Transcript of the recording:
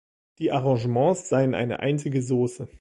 Die Arrangements seien „eine einzige Sauce.